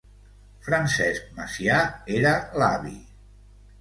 Francesc Macià era l'Avi.